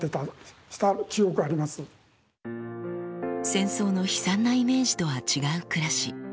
戦争の悲惨なイメージとは違う暮らし。